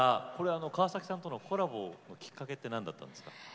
川崎さんとのコラボきっかけは何だったんですか。